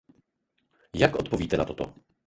Jak odpovíte na toto?